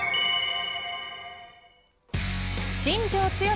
新庄剛志